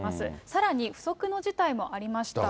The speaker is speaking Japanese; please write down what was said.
さらに不測の事態もありました。